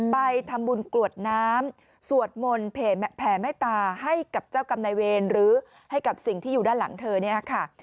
ไปทำบุญกรวดน้ำสวดมนต์แผ่เมตตาให้กับเจ้ากรรมนายเวรหรือให้กับสิ่งที่อยู่ด้านหลังเธอเนี่ยค่ะ